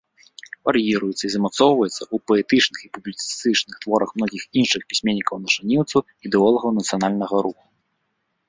Вар'іруецца і замацоўваецца ў паэтычных і публіцыстычных творах многіх іншых пісьменнікаў-нашаніўцаў, ідэолагаў нацыянальнага руху.